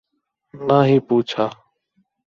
نہ ہی پوچھا